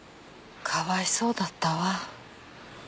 かわいそうだったわ。